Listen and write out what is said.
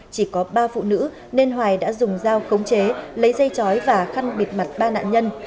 chỉ có ba phụ nữ nên hoài đã dùng dao khống chế lấy dây chói và khăn bịt mặt ba nạn nhân